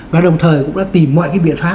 và đồng thời cũng đã tìm mọi biện pháp